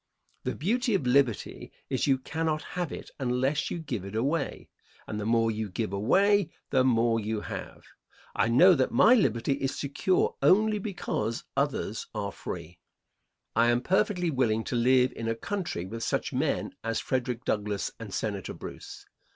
The beauty of liberty is you cannot have it unless you give it away, and the more you give away the more you have. I know that my liberty is secure only because others are free. I am perfectly willing to live in a country with such men as Frederick Douglass and Senator Bruce.